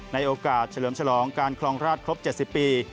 ในโอกาสเฉลิมฉลองการครองราชครบ๗๐ปี